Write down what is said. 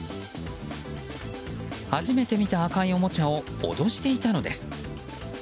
初めて見た赤いおもちゃを脅していたのです。